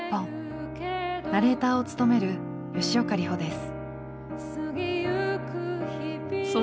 ナレーターを務める吉岡里帆です。